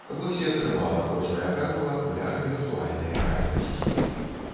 Вось і атрымала кожная карова акуляры віртуальнай рэальнасці.